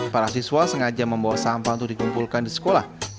para siswa sengaja membawa sampah untuk dikumpulkan di sekolah